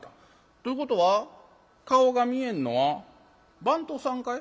ということは顔が見えんのは番頭さんかい？